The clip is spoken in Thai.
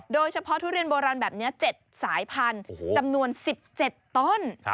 ทุเรียนโบราณแบบนี้๗สายพันธุ์จำนวน๑๗ต้น